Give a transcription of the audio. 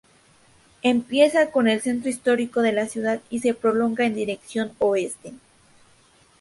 Empieza en el centro histórico de la ciudad y se prolonga en dirección oeste.